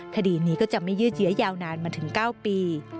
คดีนี้ก็จะไม่ยืดเยื้อยาวนานมาถึง๙ปี